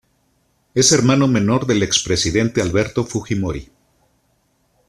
Es hermano menor del expresidente Alberto Fujimori.